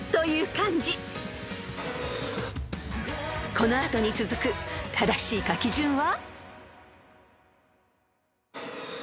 ［この後に続く正しい書き順は？］